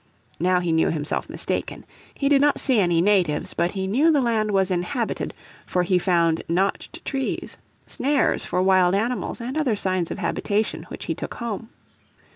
Now he knew himself mistaken. He did not see any natives, but he knew the land was inhabited, for he found notched trees, snares for wild animals and other signs of habitation which he took home.